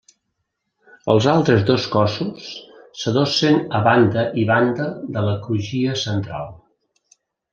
Els altres dos cossos s'adossen a banda i banda de la crugia central.